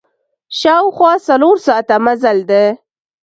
شاوخوا څلور ساعته مزل ده.